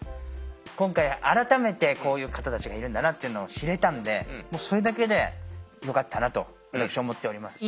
今回改めてこういう方たちがいるんだなっていうのを知れたのでもうそれだけでよかったなと私は思っております。